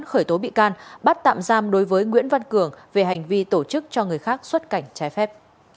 khởi tố bị can bắt tạm giam đối với nguyễn văn cường về hành vi tổ chức cho người khác xuất cảnh trái phép